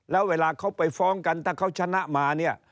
แล้วเวลาเขาไปฟ้องกันถ้าเขาชนะมาเนี่ย